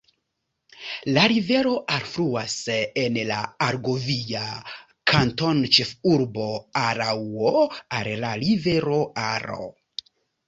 La rivero alfluas en la argovia kantonĉefurbo Araŭo al la rivero Aro.